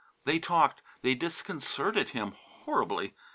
They talked, they disconcerted him horribly.